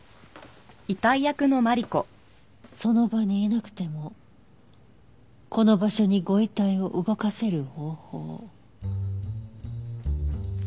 その場にいなくてもこの場所にご遺体を動かせる方法。